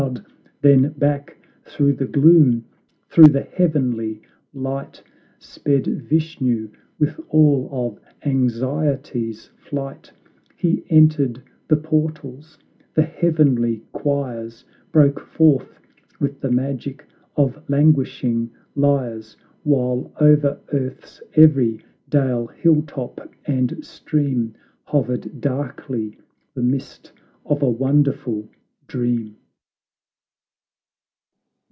33 tfce Divine ttcfcaintcm Then back through the gloom, through the heavenly light, Sped Vishnu with all of anxiety's flight; He entered the portals, and heavenly choirs Broke forth with the magic of languishing lyres, While over earth's every dale, hilltop and stream Hovered darkly the mist of a wonderful dream.